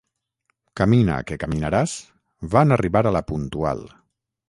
Camina que caminaràs, van arribar a «La Puntual».